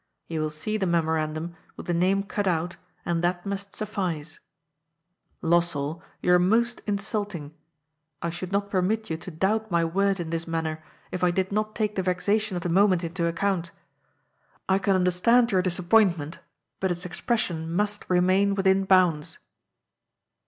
You will see the memorandum, with the name cut out, and that must suffice. Lossell, you are BLANK. 169 most insulting. I shonld not permit you to doubt my word in this manner, if I did not take the vexation of the mo ment into acconnt. I can understand your disappointment, but its expression must remain within bounds."